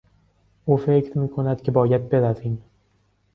او فکر میکند که باید برویم.